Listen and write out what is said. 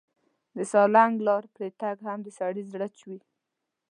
د سالنګ لار پرې تګ هم د سړي زړه چوي.